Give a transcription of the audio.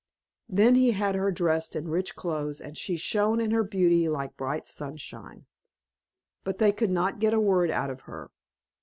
Then he had her dressed in rich clothes, and she shone in her beauty like bright sunshine; but they could not get a word out of her.